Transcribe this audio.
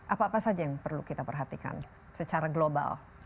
apa apa saja yang perlu kita perhatikan secara global